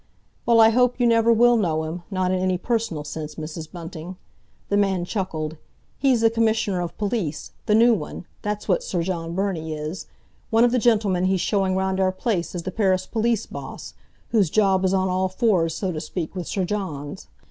"Well, I hope you never will know him—not in any personal sense, Mrs. Bunting." The man chuckled. "He's the Commissioner of Police—the new one—that's what Sir John Burney is. One of the gentlemen he's showing round our place is the Paris Police boss—whose job is on all fours, so to speak, with Sir John's.